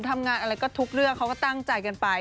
ทำงานอะไรก็ทุกเรื่องเขาก็ตั้งใจกันไป